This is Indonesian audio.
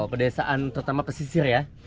kedesaan terutama pesisir ya